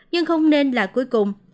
nhưng không nên là cuối cùng